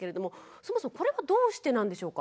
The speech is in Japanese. そもそもこれはどうしてなんでしょうか。